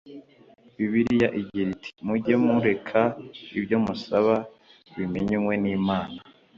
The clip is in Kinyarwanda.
Bibiliya igira iti “mujye mureka ibyo musaba bimenywe n’Imana